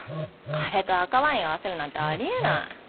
あれと赤ワインを合わせるなんてあり得ない。